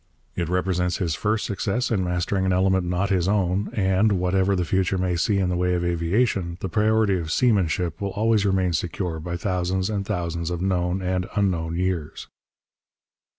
It represents his first success in mastering an element not his own; and, whatever the future may see in the way of aviation, the priority of seamanship will always remain secure by thousands and thousands of known and unknown years.